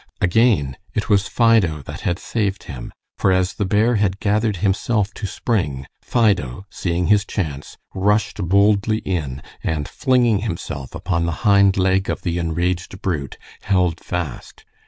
Again it was Fido that had saved him, for as the bear had gathered himself to spring, Fido, seeing his chance, rushed boldly in, and flinging himself upon the hind leg of the enraged brute, held fast.